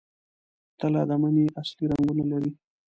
تله د مني اصلي رنګونه لري.